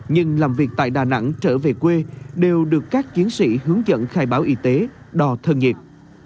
nhưng làm việc tại đà nẵng trở về quê đều được các chiến sĩ hướng dẫn khai báo y tế đò thân nhiệt